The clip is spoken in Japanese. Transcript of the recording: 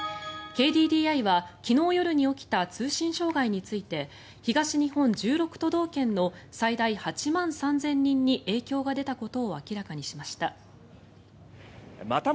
ＫＤＤＩは昨日夜に起きた通信障害について東日本１６都道県の最大８万３０００人に影響が出たことを明らかにしました。